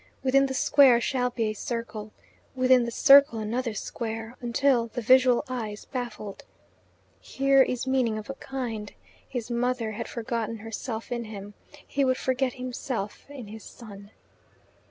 Within the square shall be a circle, within the circle another square, until the visual eye is baffled. Here is meaning of a kind. His mother had forgotten herself in him. He would forget himself in his son.